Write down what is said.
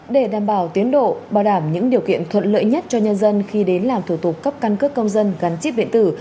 để đảm bảo tiến độ bảo đảm những điều kiện thuận lợi nhất cho nhân dân khi đến làm thủ tục cấp căn cước công dân gắn chip điện tử